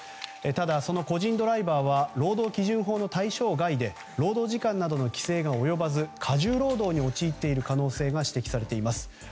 ただ、その個人ドライバーは労働基準法の対象外で労働時間などの規制が及ばず過重労働に陥っている可能性が指摘されています。